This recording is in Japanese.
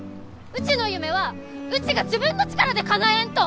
うちの夢はうちが自分の力でかなえんと！